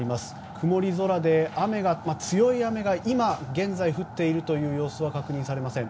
曇り空で、強い雨が今現在、降っている様子は確認されません。